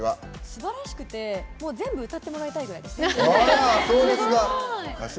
すばらしくて全部歌ってもらいたいぐらい。